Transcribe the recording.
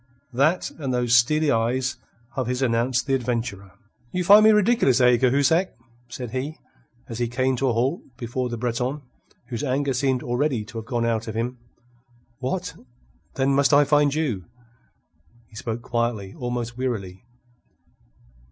That and those steely eyes of his announced the adventurer. "You find me ridiculous, eh, Cahusac?" said he, as he came to a halt before the Breton, whose anger seemed already to have gone out of him. "What, then, must I find you?" He spoke quietly, almost wearily.